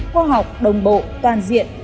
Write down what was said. khoa học đồng bộ toàn diện